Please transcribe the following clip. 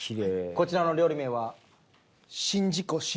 こちらの料理名は？